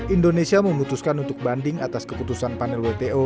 indonesia memutuskan untuk banding atas keputusan panel wto